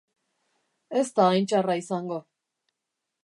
Ez da hain txarra izango.